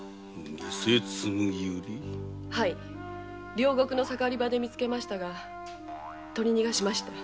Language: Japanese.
両国の盛り場でみつけましたが取り逃がしました。